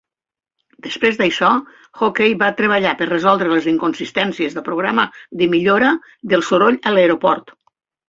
Després d'això, Hockey va treballar per resoldre les inconsistències del programa de millora del soroll a l'aeroport.